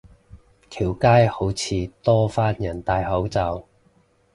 條街好似多返人戴口罩